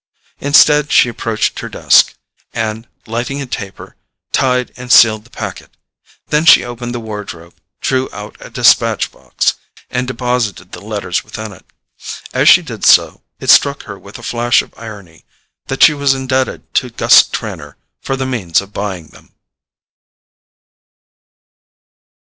Instead, she approached her desk, and lighting a taper, tied and sealed the packet; then she opened the wardrobe, drew out a despatch box, and deposited the letters within it. As she did so, it struck her with a flash of irony that she was indebted to Gus Trenor for the means of buying them.